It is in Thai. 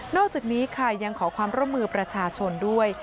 อกจากนี้ค่ะยังขอความร่วมมือประชาชนด้วย